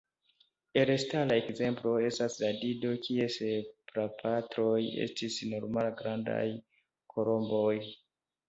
Elstara ekzemplo estas la dido, kies prapatroj estis normal-grandaj kolomboj.